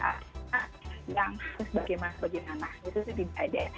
ada yang sesuai dengan bagaimana tapi itu sih tidak ada